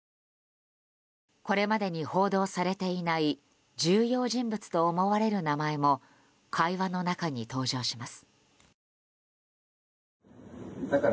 これまでに報道されていない重要人物と思われる名前も会話の中に登場します。